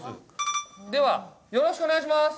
ではよろしくお願いします。